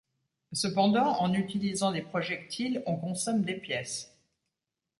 Cependant, en utilisant des projectiles on consomme des pièces.